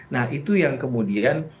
nah itu yang kemudian